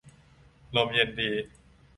ลมเย็นดี